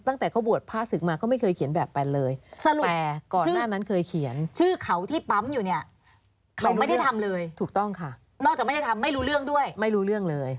นอกจากไม่ได้ทำไม่รู้เรื่องด้วย